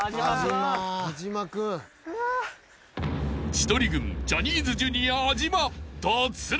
［千鳥軍ジャニーズＪｒ．安嶋脱落］